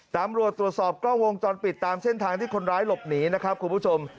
ตำรวจตรวจสอบกล้องวงจรปิดตามเส้นทางที่คนร้ายหลบหนีนะครับคุณผู้ชม